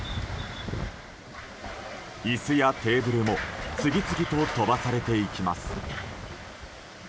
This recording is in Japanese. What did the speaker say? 椅子やテーブルも次々と飛ばされていきます。